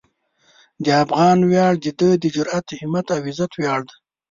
د افغان ویاړ د ده د جرئت، همت او عزت ویاړ دی.